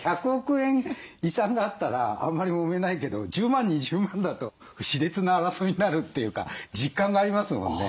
１００億円遺産があったらあんまりもめないけど１０万２０万だと熾烈な争いになるというか実感がありますもんね。